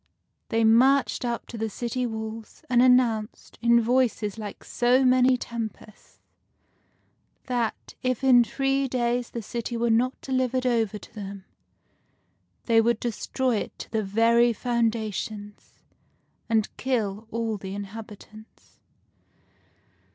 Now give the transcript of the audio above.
They marched up to the city walls, and an nounced, in voices like so many tempests, that, if in three days the city were not delivered over to them, they would destroy it to the very foundations, and kill all the inhabitants.